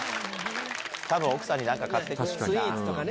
多分奥さんに何か買って行く。